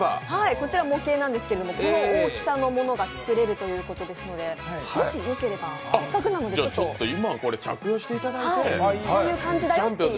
これは模型ですけど、この大きさのものが作れるということですので、もしよければ、せっかくなのでこういう感じだよっていう。